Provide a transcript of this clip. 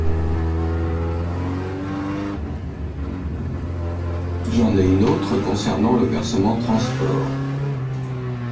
J’en ai une autre concernant le versement transport.